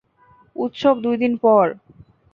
উৎসব দুই দিন পর।